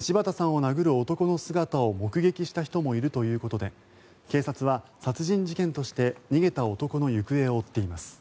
柴田さんを殴る男の姿を目撃した人もいるということで警察は殺人事件として逃げた男の行方を追っています。